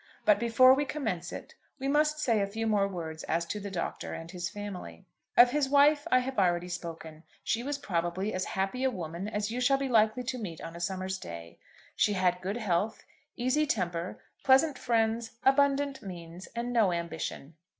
But before we commence it, we must say a few more words as to the Doctor and his family. Of his wife I have already spoken. She was probably as happy a woman as you shall be likely to meet on a summer's day. She had good health, easy temper, pleasant friends, abundant means, and no ambition.